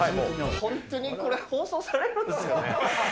本当にこれ、放送されるんですかね。